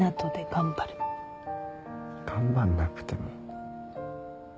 頑張んなくても。